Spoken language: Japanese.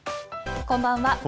こんばんは。